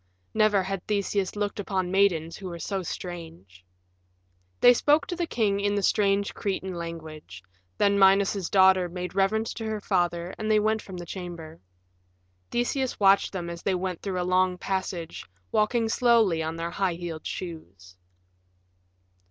Never had Theseus looked upon maidens who were so strange. They spoke to the king in the strange Cretan language; then Minos's daughter made reverence to her father, and they went from the chamber. Theseus watched them as they went through a long passage, walking slowly on their high heeled shoes.